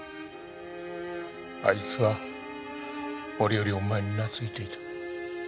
あいつは俺よりお前に懐いていた。